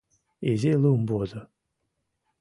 Изи лум возо.